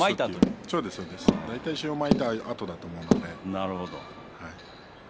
大体、塩をまいたあとだと思うので。